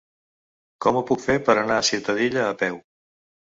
Com ho puc fer per anar a Ciutadilla a peu?